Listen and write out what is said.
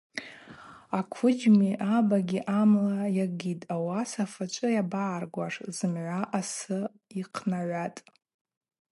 Аквыджьми абаги амла йагитӏ, ауаса фачӏвы абагӏаргуаш – зымгӏва асы йхънагӏватӏ.